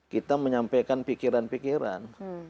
kita menyampaikan pikiran pikiran